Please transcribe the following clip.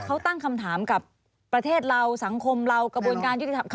เขาตั้งคำถามกับประเทศเราสังคมเรากระบวนการยุติธรรม